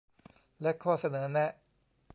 และข้อเสนอแนะ